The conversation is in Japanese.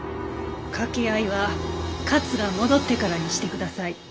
掛け合いは勝が戻ってからにしてください。